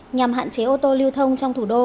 nhằm hạn chế ô tô lưu thông trong thủ đô